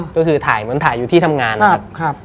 ก็คือถ่ายอยู่ที่ทำงานนะครับ